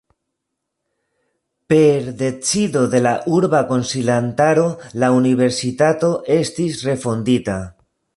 Per decido de la urba konsilantaro la universitato estis refondita.